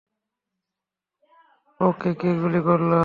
ওকে কে গুলি করলো?